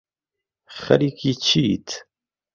خەریکی چیت